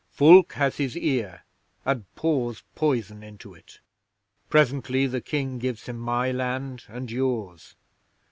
Fulke has his ear, and pours poison into it. Presently the King gives him my land and yours.